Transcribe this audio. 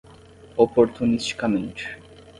oportunisticamente